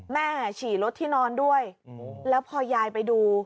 ฉี่รถที่นอนด้วยแล้วพอยายไปดู